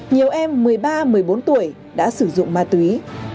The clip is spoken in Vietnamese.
nhiều em một mươi ba một mươi bốn tuổi đã sử dụng ma túy